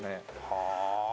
はあ。